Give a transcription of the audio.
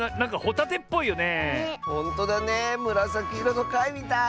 むらさきいろのかいみたい！